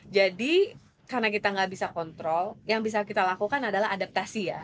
jadi karena kita nggak bisa kontrol yang bisa kita lakukan adalah adaptasi ya